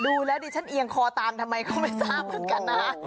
ดูแล้วดิฉันเอียงคอตามทำไมก็ไม่ทราบเหมือนกันนะ